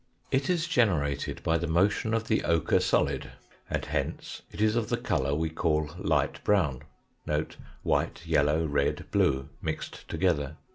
It is generated by the motion of the ochre solid, and hence it is of the colour we call light brown (white, yellow, red, blue, mixed together).